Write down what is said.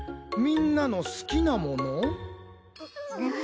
『みんなの好きなもの』？